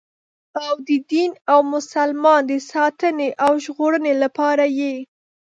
او د دین او مسلمان د ساتنې او ژغورنې لپاره یې.